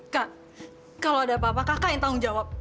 kak kalau ada apa apa kakak yang tanggung jawab